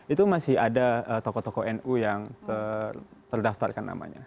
itu masih ada tokoh tokoh nu yang terdaftarkan namanya